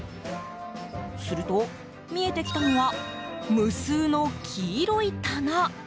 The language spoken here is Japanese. すると、見えてきたのは無数の黄色い棚。